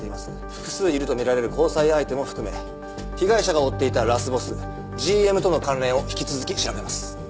複数いるとみられる交際相手も含め被害者が追っていたラスボスＧＭとの関連を引き続き調べます。